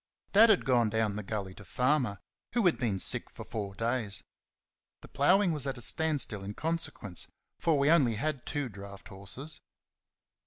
Dad had gone down the gully to Farmer, who had been sick for four days. The ploughing was at a standstill in consequence, for we had only two draught horses.